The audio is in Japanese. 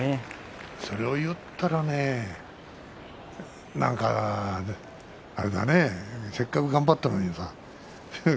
それを言ったらねせっかく頑張ったのにね。